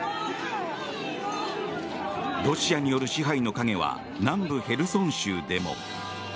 ロシアによる支配の影は南部ヘルソン州でも。